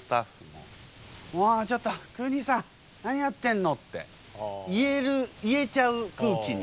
「もうちょっと邦さん何やってんの？」って言える言えちゃう空気に。